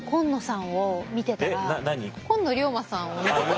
今野龍馬さんを見てたら。